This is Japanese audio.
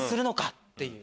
っていう。